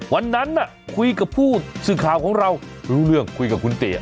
วันนั้นคุยกับผู้สื่อข่าวของเรารู้เรื่องคุยกับคุณติ